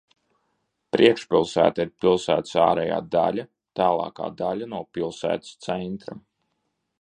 Priekšpilsēta ir pilsētas ārējā daļa, tālākā daļa no pilsētas centra.